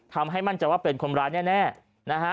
ทำให้มั่นใจว่าเป็นคนร้ายแน่นะฮะ